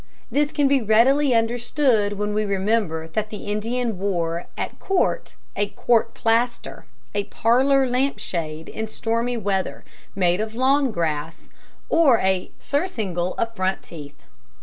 This can be readily understood when we remember that the Indian wore at court a court plaster, a parlor lamp shade in stormy weather, made of lawn grass, or a surcingle of front teeth.